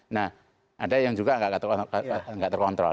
nah ada yang juga tidak terkontrol